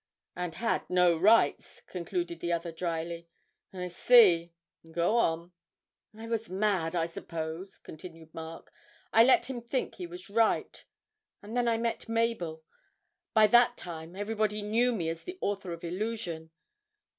'And had no rights!' concluded the other drily; 'I see go on.' 'I was mad, I suppose,' continued Mark; 'I let him think he was right. And then I met Mabel ... by that time everybody knew me as the author of "Illusion."